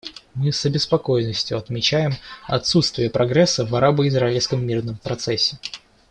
Мы с обеспокоенностью отмечаем отсутствие прогресса в арабо-израильском мирном процессе.